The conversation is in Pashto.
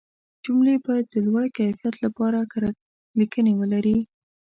جملې باید د لوړ کیفیت لپاره کره لیکنې ولري.